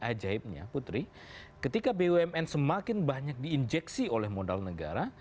itu aneh bin ajaibnya putri ketika bumn semakin banyak diinjeksi oleh modal negara